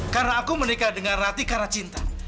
karena aku menikah dengan ratih karena cinta